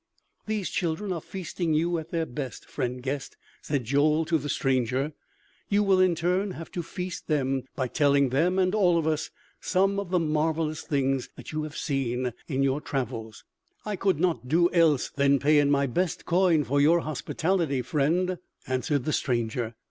"These children are feasting you at their best, friend guest," said Joel to the stranger; "you will, in turn, have to feast them by telling them and all of us some of the marvelous things that you have seen in your travels." "I could not do else than pay in my best coin for your hospitality, friend," answered the stranger.